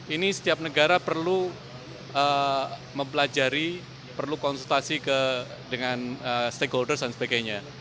ini setiap negara perlu mempelajari perlu konsultasi dengan stakeholders dan sebagainya